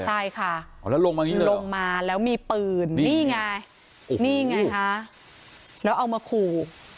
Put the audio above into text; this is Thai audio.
ใช่ค่ะลงมาแล้วมีปืนนี่ไงนี่ไงค่ะแล้วเอามาขู่